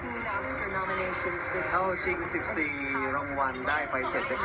เข้าชิง๑๔รางวัลได้ไป๗๙